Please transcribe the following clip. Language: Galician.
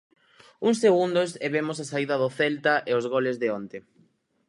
Uns segundos e vemos a saída do Celta e os goles de onte.